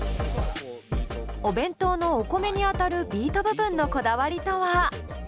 お弁当のお米にあたるビート部分のこだわりとは？